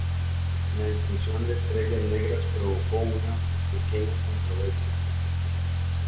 La inclusión de estrellas negras provocó una pequeña controversia.